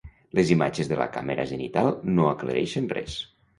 Les imatges de la càmera zenital no aclareixen res.